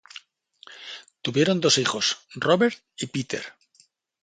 Tuvieron dos hijos, Robert y Peter.